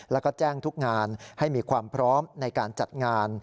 แล้วก็แจ้งทุกงานให้มีความพร้อมในการจัดงาน